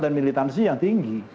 dan militansi yang tinggi